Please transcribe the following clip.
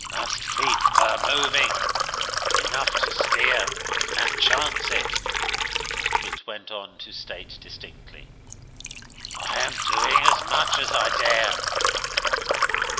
"Must keep her moving enough to steer and chance it," it went on to state distinctly. "I am doing as much as I dare."